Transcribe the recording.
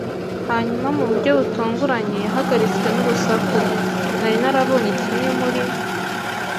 Hanyuma, mu buryo butunguranye, yahagaritswe n'urusaku. Nari narabonye kimwe muri